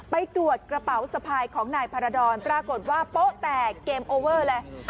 ไปตรวจกระเป๋าสะพายของนายพารดรปรากฏว่าโป๊ะแตกเกมโอเวอร์เลย